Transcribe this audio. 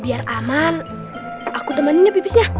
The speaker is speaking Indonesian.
biar aman aku temenin ya pipisnya